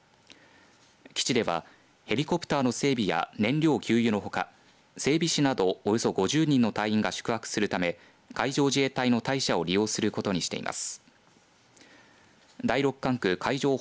基地ではヘリコプターの整備や燃料給油のほか整備士などおよそ５０人の隊員が宿泊するため海上自衛隊の隊舎を利用することにしています。